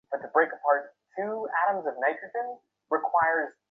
তিনি তার সভাসদদের দেওয়া জাঁকজমকপূর্ণ উপহারের জন্য উল্লেখযোগ্য।